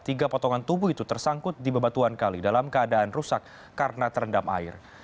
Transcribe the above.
tiga potongan tubuh itu tersangkut di bebatuan kali dalam keadaan rusak karena terendam air